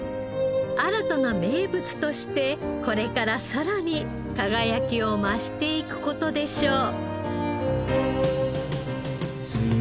新たな名物としてこれからさらに輝きを増していく事でしょう。